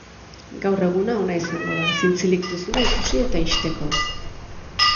Gaur eguna ona izango da, zintzilik duzuna ikusi eta ixteko.